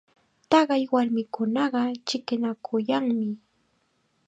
Taqay warmikunaqa chikinakuyanmi.